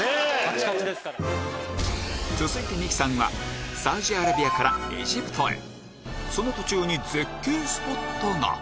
続いて三木さんはサウジアラビアからエジプトへその途中に絶景スポットが！